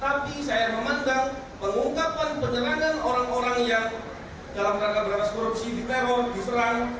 tapi saya memandang pengungkapkan penyerangan orang orang yang dalam rakyat berdasar korupsi diperor diserang